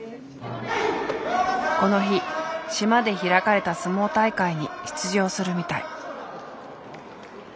この日島で開かれた相撲大会に出場するみたい。